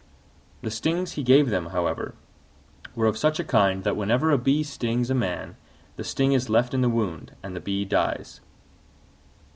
The stings he gave them, however, were of such a kind that whenever a bee stings a man the sting is left in the wound and the bee dies.